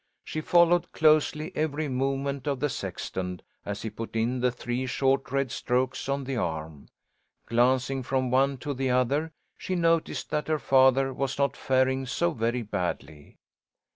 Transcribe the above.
She followed closely every movement of the sexton, as he put in the three short red strokes on the arm. Glancing from one to the other, she noticed that her father was not faring so very badly.